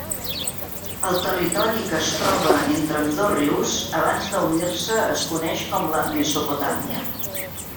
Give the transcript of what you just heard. El territori que es trobe entre ambdós rius, abans d'unir-se es coneix com la Mesopotàmia.